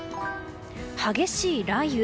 激しい雷雨。